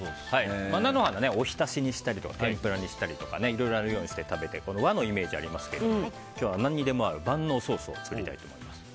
菜の花は、おひたしにしたりとか天ぷらにしたりとかいろいろな料理にして和のイメージがありますが今日は何にでも合う万能ソースを作りたいと思います。